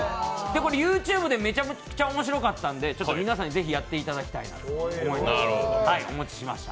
これ、ＹｏｕＴｕｂｅでめちゃくちゃ面白かったんで皆さんで是非、やっていただきたいなと思ってお持ちしました。